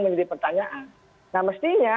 menjadi pertanyaan nah mestinya